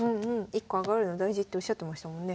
１個上がるの大事っておっしゃってましたもんね。